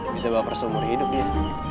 bisa baper seumur hidupnya